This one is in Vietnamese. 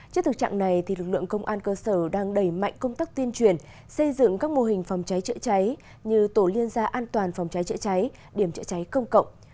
trước thực trạng này lực lượng công an cơ sở đang đẩy mạnh công tác tuyên truyền xây dựng các mô hình phòng cháy chữa cháy như tổ liên gia an toàn phòng cháy chữa cháy điểm chữa cháy công cộng